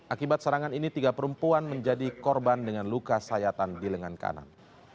akibat serangan ini tiga perempuan menjadi korban dengan luka sayatan di lengan kanan